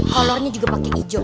kolornya juga pakai ijo